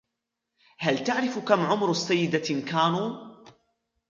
هل تعرف كم عمر السيدة نكانو ؟